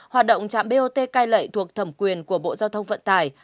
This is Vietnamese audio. hoạt động trạm bot cai lệ thuộc thẩm quyền của bộ giao thông vận tải